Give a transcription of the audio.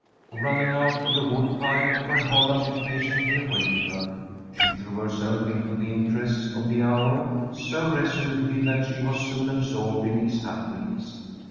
Running out to the wood pile, where Holland impatiently awaited her, she threw herself into the interests of the hour so resolutely that she was soon absorbed in its happenings.